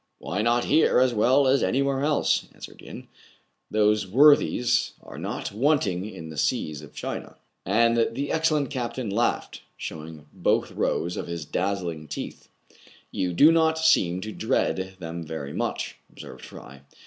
"Why not here as well as anywhere else.^" answered Yin. "Those worthies are not wanting in the seas of China." KIN FO'S MARKET VALUE UNCERTAIN, 195 And the excellent captain laughed, showing both rows of his dazzling teeth. " You do not seem to dread them very much/* observed Fry.